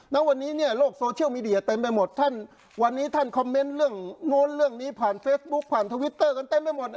ณวันนี้เนี่ยโลกโซเชียลมีเดียเต็มไปหมดท่านวันนี้ท่านคอมเมนต์เรื่องโน้นเรื่องนี้ผ่านเฟซบุ๊คผ่านทวิตเตอร์กันเต็มไปหมด